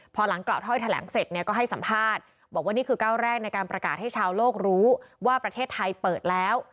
พอหลังกล่าวถ้อยแถลงเสร็จเนี่ยก็ให้สัมภาษณ์บอกว่านี่คือก้าวแรกในการประกาศให้ชาวโลกรู้ว่าประเทศไทยเปิดแล้ว